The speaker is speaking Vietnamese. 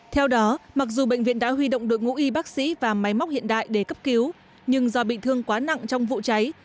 theo đó mặc dù bệnh viện đã huy động đội ngũ y bác sĩ và máy móc hiện đại để cấp cứu nhưng do bị thương quá nặng trong vụ cháy